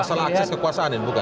masalah akses kekuasaan ini bukan